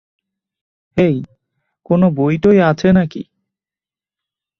হেই, কোন বই টই আছে নাকি?